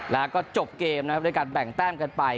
แล้วก็จบเกมนะครับด้วยการแบ่งแต้มกันไป